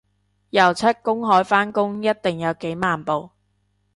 游出公海返工一定有幾萬步